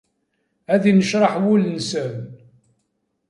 Ad innecraḥ wul-nsen!